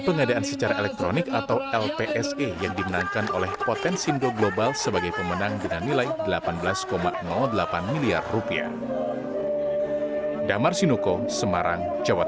kegiatan apel kebangsaan ini sebelumnya ditandarkan secara perusahaan